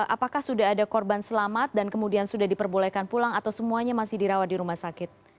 apakah sudah ada korban selamat dan kemudian sudah diperbolehkan pulang atau semuanya masih dirawat di rumah sakit